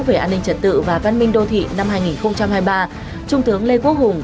về an ninh trật tự và văn minh đô thị năm hai nghìn hai mươi ba trung tướng lê quốc hùng